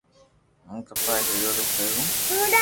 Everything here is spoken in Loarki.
ھون ڪپڙا ھيڙيو ھون پيرو